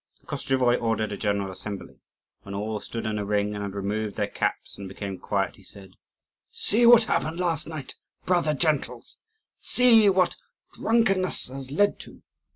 The Koschevoi ordered a general assembly; and when all stood in a ring and had removed their caps and became quiet, he said: "See what happened last night, brother gentles! See what drunkenness has led to!